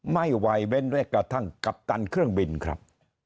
ไม่ไหวเว้นเรียกกระทั่งกัปตันเครื่องบินครับ